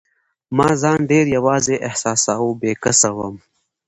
ما ځان ډېر یوازي احساساوه، بې کسه وم.